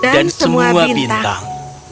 dan semua bintang